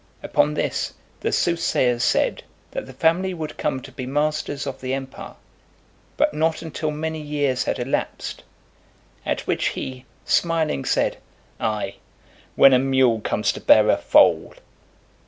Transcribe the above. Upon this, the soothsayers said, that the family would come to be masters of the empire, but not until many years had elapsed: at which he, smiling, said, "Ay, when a mule comes to bear a foal."